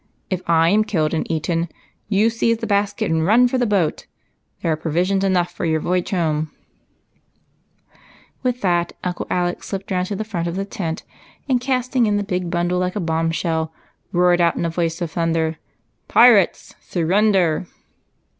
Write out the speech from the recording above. If I am killed and eaten, you seize the basket and run for the boat ; there are provisions enough for your voyaq e home." P HEBE'S SECRET. 99 With that Uncle Alec slipped round to the front of the tent, and, casting in the big bundle like a bomb shell, roared out, in a voice of thunder, —" Pirates, surrender